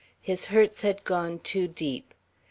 His hurts had gone too deep.